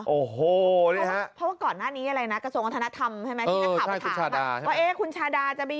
โอ้โหเพราะก่อนหน้านี้อะไรนะกระทรวงอธนธรรมให้นะครับ